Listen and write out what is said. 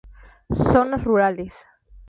Zonas rurales.